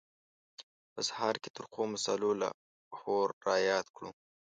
په سهار کې ترخو مسالو لاهور را یاد کړو.